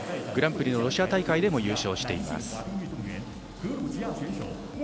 グランプリのロシア大会でも優勝しています。